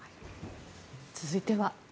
続いては。